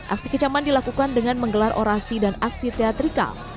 aksi kecaman dilakukan dengan menggelar orasi dan aksi teatrikal